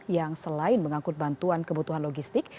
yang selain mengangkut bantuan kebutuhan logistik